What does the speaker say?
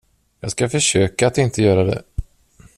Jag ska försöka att inte göra det.